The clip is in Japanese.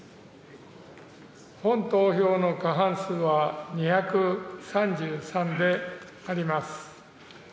本投票の過半数は２３３であります。